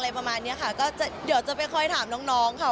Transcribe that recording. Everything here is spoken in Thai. อะไรประมาณนี้ค่ะก็เดี๋ยวจะไปค่อยถามน้องค่ะ